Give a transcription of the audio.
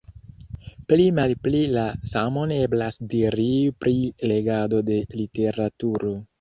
Pli-malpli la samon eblas diri pri legado de literaturo.